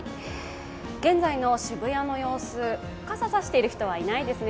現在の渋谷の様子、傘を差している人はいないですね。